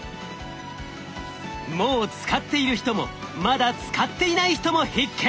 もう使っている人もまだ使っていない人も必見！